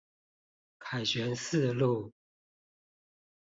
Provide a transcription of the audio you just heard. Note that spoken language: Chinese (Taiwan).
凱旋四路